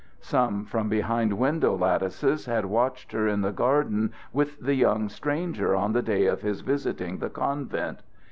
Some from behind window lattices had watched her in the garden with the young stranger on the day of his visiting the convent.